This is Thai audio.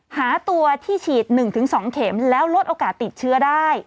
หาตัวที่ฉีด๑๒เข็มแล้วลดโอกาสติดเชื้อได้